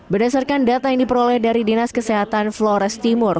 berdasarkan data yang diperoleh dari dinas kesehatan flores timur